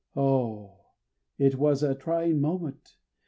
O, it was a trying moment!